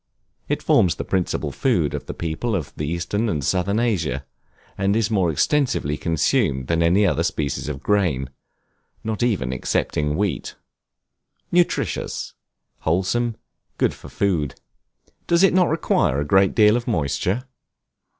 It forms the principal food of the people of eastern and southern Asia, and is more extensively consumed than any other species of grain, not even excepting wheat. Nutritious, wholesome, good for food. Does it not require a great deal of moisture?